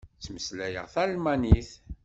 Ttmeslayeɣ talmanit.